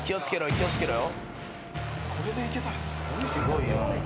気を付けろよ。